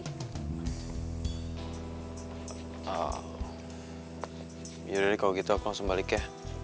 yaudah deh kalo gitu aku langsung balik ya